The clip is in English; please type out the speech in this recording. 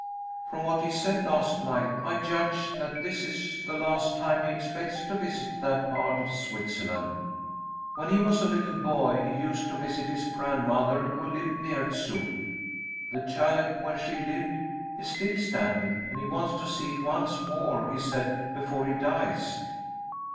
"From what he said last night, I judge that this is the last time he expects to visit that part of Switzerland. When he was a little boy he used to visit his grandmother, who lived near Zug. The chalet where she lived is still standing, and he wants to see it once more, he said, before he dies."